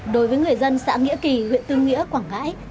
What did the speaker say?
đối với người dân xã nghĩa kỳ huyện tư nghĩa quảng ngãi